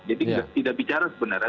jadi tidak bicara sebenarnya